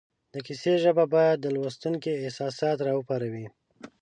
د کیسې ژبه باید د لوستونکي احساسات را وپاروي